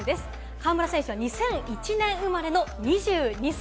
河村選手は２００１年生まれの２２歳。